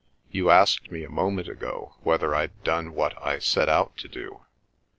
You asked me a moment ago whether I'd done what I set out to do.